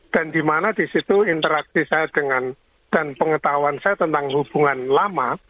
dan di mana di situ interaksi saya dengan dan pengetahuan saya tentang hubungan lama